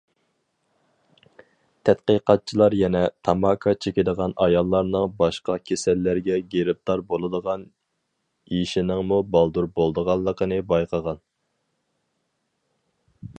تەتقىقاتچىلار يەنە، تاماكا چېكىدىغان ئاياللارنىڭ باشقا كېسەللەرگە گىرىپتار بولىدىغان يېشىنىڭمۇ بالدۇر بولىدىغانلىقىنى بايقىغان.